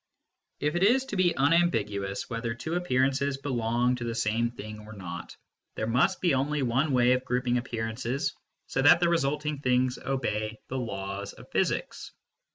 If it is to be un ambiguous whether two appearances belong to the same SENSE DATA AND PHYSICS 173 thing or not, there must be only one way of grouping appearances so that the resulting things obey the laws of physics.